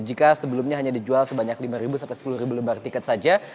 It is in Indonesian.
jika sebelumnya hanya dijual sebanyak lima sampai sepuluh lembar tiket saja